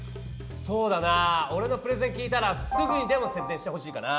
そうだなおれのプレゼン聞いたらすぐにでも節電してほしいかな。